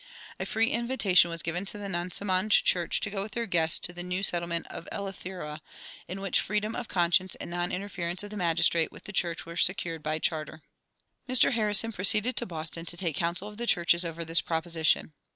A free invitation was given to the Nansemond church to go with their guests to the new settlement of Eleuthera, in which freedom of conscience and non interference of the magistrate with the church were secured by charter.[50:1] Mr. Harrison proceeded to Boston to take counsel of the churches over this proposition.